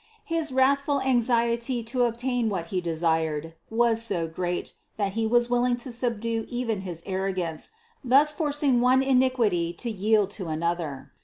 His wrathful anxiety to obtain what he desired was so great that he was willing to subdue even his arrogance, thus forcing one iniquity to yield to another.